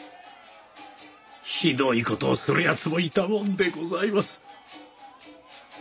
ひどい事をするやつもいたもんでございます。